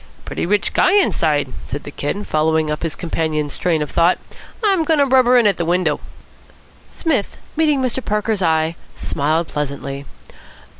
"Pretty rich guy inside," said the Kid, following up his companion's train of thought. "I'm goin' to rubber in at the window." Psmith, meeting Mr. Parker's eye, smiled pleasantly.